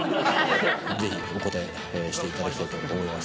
ぜひお答えしていただきたいと思います。